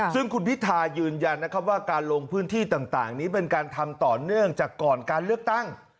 ซึ่งคุณพิทายืนยันนะครับว่าการลงพื้นที่ต่างนี้เป็นการทำต่อเนื่องจากก่อนการเลือกตั้ง